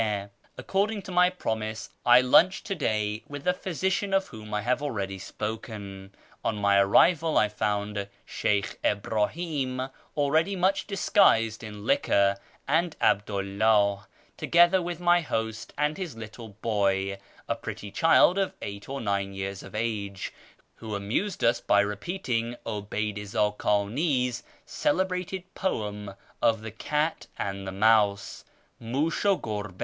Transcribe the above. — According to my promise, I lunched to day with the physician of whom I have already sjDoken. On my arrival I found Sheykh Ibrahim (already much disguised in liquor) and 'Abdu 'llah, together with my host and his little boy, a pretty child of eight or nine years of age, who amused us by repeating 'Obeyd i Zakani's celebrated poem of " the Cat and the Mouse " {Mush u gurM).